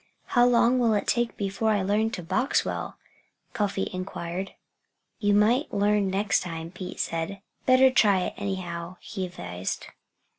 "How long will it be before I learn to box well?" Cuffy inquired. "You might learn next time," Pete said, "Better try it, anyhow," he advised.